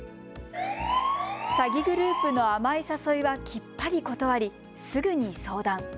詐欺グループの甘い誘いはきっぱり断り、すぐに相談。